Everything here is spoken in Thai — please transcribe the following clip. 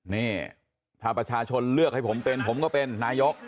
นี่ถ้าประชาชนเลือกให้ผมเป็นผมก็เป็นนายก